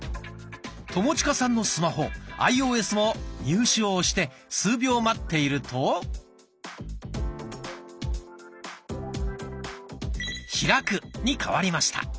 友近さんのスマホアイオーエスも入手を押して数秒待っていると「開く」に変わりました。